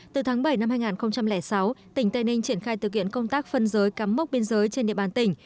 từ tháng bảy năm hai nghìn sáu tỉnh tây ninh triển khai thực hiện công tác phân giới cắm mốc biên giới trên địa bàn tỉnh